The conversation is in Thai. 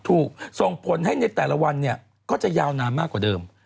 ส่งส่งผลให้ในแต่ละวันเนี่ยก็จะยาวนานมากกว่าเดิม